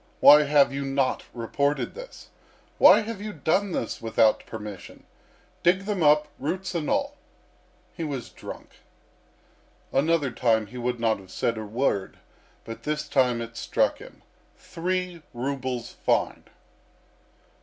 Why have you not reported this? Why have you done this without permission? Dig them up, roots and all.' He was drunk. Another time he would not have said a word, but this time it struck him. Three rubles fine!..."